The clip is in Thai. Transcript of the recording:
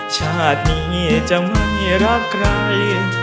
ชาตินี้จะไม่รักใคร